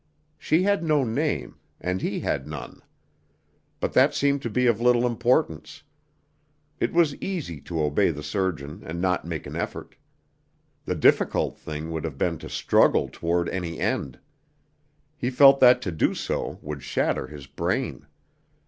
She had no name, and he had none. But that seemed to be of little importance. It was easy to obey the surgeon and not make an effort. The difficult thing would have been to struggle toward any end. He felt that to do so would shatter his brain.